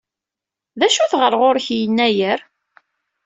D acu-t ɣer ɣur-k Yennayer?